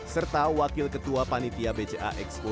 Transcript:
serta wakil ketua panitia bca expo